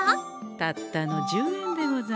たったの１０円でござんす。